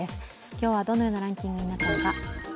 今日はどのようなランキングになったのか。